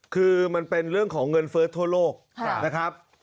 คือมันเป็นเรื่องของเงินเฟิร์สทั่วโลกนะครับ